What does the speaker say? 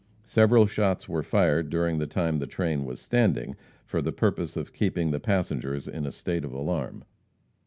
Several shots were fired during the time the train was standing, for the purpose of keeping the passengers in a state of alarm.